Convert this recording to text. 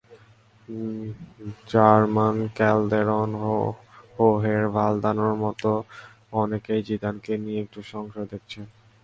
Ramon Calderon, হোর্হে ভালদানোর মতো অনেকেই জিদানকে নিয়ে একটু সংশয় দেখছেন।